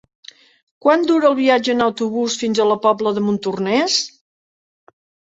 Quant dura el viatge en autobús fins a la Pobla de Montornès?